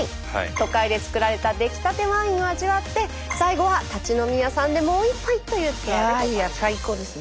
都会で造られたできたてワインを味わって最後は立ち飲み屋さんでもう一杯というツアーでございます。